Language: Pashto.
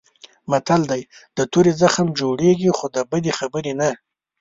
متل دی: د تورې زخم جوړېږي خو د بدې خبرې نه.